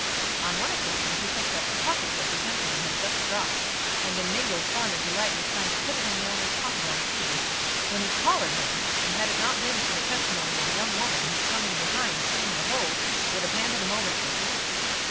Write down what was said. On one occasion he picked up the pocket book a gentleman had just dropped, and, in mingled fun and delight, was trying to put it in its owner's pocket unseen, when he collared him, and, had it not been for the testimony of a young woman who, coming behind, had seen the whole, would have handed him over to the police.